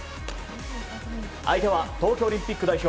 相手は東京オリンピック代表